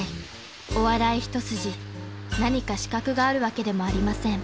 ［お笑い一筋何か資格があるわけでもありません］